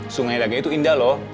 sungai dagen itu indah lho